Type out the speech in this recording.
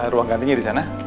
ruang gantinya di sana